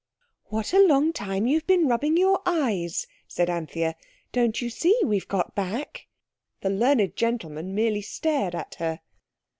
"What a long time you've been rubbing your eyes!" said Anthea; "don't you see we've got back?" The learned gentleman merely stared at her.